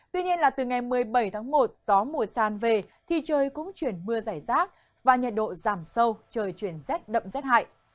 tuy nhiên từ ngày một mươi bảy tháng một gió mùa tràn về thì trời cũng chuyển mưa giải rác và nhiệt độ giảm sâu trời chuyển rất đậm rất hại